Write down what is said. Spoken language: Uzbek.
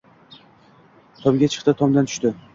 Tomga chiqdi-tomdan tushdi.